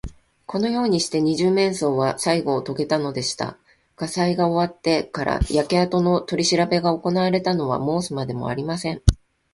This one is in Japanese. このようにして、二十面相はさいごをとげたのでした。火災が終わってから、焼けあとのとりしらべがおこなわれたのは申すまでもありません。